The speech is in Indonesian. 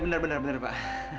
iya benar benar pak